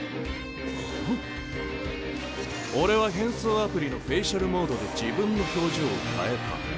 俺は変装アプリのフェイシャルモードで自分の表情を変えた。